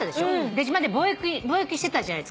出島で貿易してたじゃないですか。